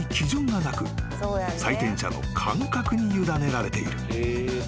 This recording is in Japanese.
［採点者の感覚に委ねられている］